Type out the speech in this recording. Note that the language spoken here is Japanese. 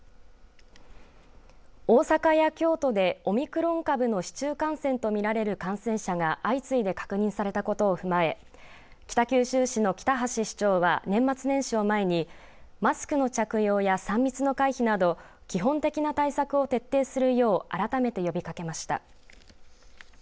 大阪や京都でオミクロン株の市中感染とみられる感染者が相次いで確認されたことを踏まえ北九州市の北橋市長は年末年始を前に、マスクの着用や３密の回避など基本的な対策を徹底するようあらためて呼びかけました。